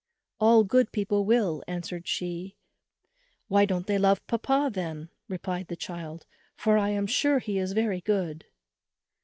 "All good people will," answered she. "Why don't they love papa then?" replied the child, "for I am sure he is very good."